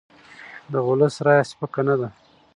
د ولس رایه سپکه نه ده